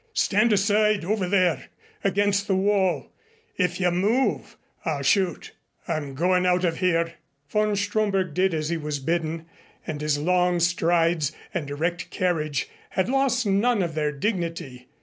Stand aside over there against the wall. If you move, I'll shoot. I'm going out of here." Von Stromberg did as he was bidden, and his long strides and erect carriage had lost none of their dignity.